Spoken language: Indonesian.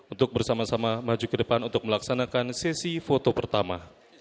untuk bersama sama maju ke depan untuk melaksanakan sesi foto pertama